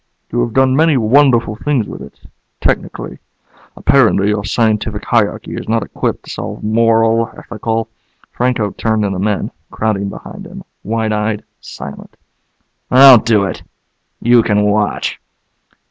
You have done many wonderful things with it technically. Apparently, your scientific hierarchy is not equipped to solve moral, ethical " Franco turned to the men, crowding behind him, wide eyed, silent. "I'll do it. You can watch."